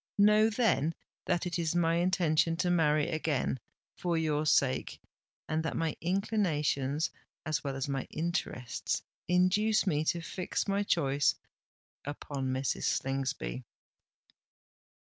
Know, then, that it is my intention to marry again—for your sake—and that my inclinations, as well as my interests, induce me to fix my choice upon Mrs. Slingsby."